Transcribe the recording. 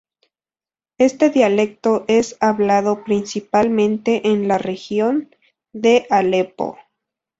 Este dialecto es hablado principalmente en la región de Alepo.